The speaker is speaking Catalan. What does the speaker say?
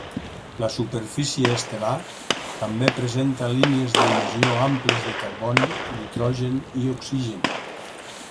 La superfície estel·lar també presenta línies d'emissió amples de carboni, nitrogen i oxigen.